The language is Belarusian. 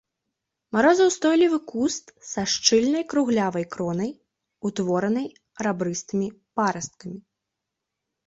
Марозаўстойлівы куст са шчыльнай круглявай кронай, утворанай рабрыстымі парасткамі.